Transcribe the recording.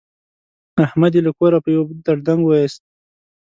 احمد يې له کوره په يوه دړدنګ ویوست.